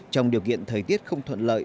trong điều kiện thời tiết không thuận lợi